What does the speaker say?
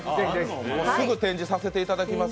すぐ展示させていただきます。